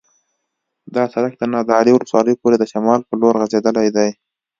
دا سرک د نادعلي ولسوالۍ پورې د شمال په لور غځېدلی دی